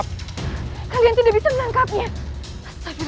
tidak hampir sampai karretawand